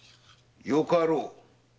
よかろう。